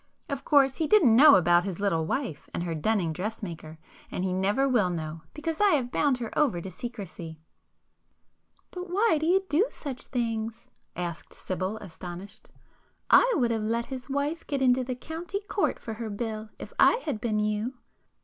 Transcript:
Of course he didn't know about his little wife and her dunning dressmaker; and he never will know, because I have bound her over to secrecy." "But why do you do such things?" asked Sibyl astonished; "I would have let his wife get into the County Court for her bill, if I had been you!"